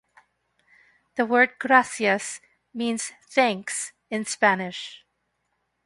The word "gracias" means "thanks" in Spanish.